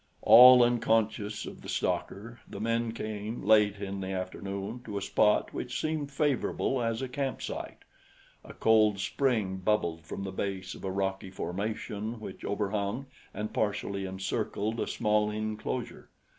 All unconscious of the stalker, the men came, late in the afternoon, to a spot which seemed favorable as a campsite. A cold spring bubbled from the base of a rocky formation which overhung and partially encircled a small inclosure.